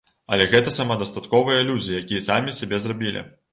Але гэта самадастатковыя людзі, якія самі сябе зрабілі.